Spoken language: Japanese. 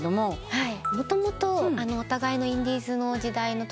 はい。